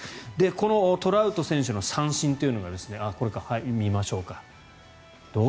このトラウト選手の三振というのがこれ、見ましょうか。